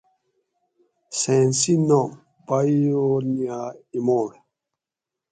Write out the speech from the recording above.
سایٔنسی نام -------- paeonia emode